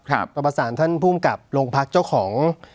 รับประสานท่านผู้กับโรงพลักษณ์เจ้าของ